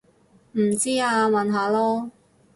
唔知啊問下囉